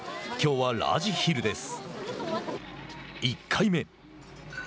きょうはラージヒルです。